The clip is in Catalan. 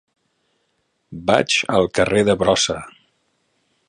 Vaig al carrer de Brossa.